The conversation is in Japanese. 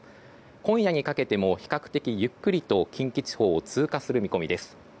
今夜にかけても比較的ゆっくりと近畿地方を通過する見込みです。